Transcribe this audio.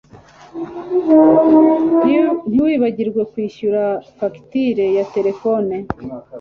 Ntiwibagirwe kwishyura fagitire ya terefone